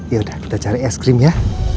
yaudah kita cari es krim ya